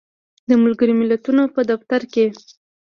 د ملګری ملتونو په دفتر کې